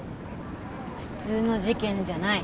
普通の事件じゃない。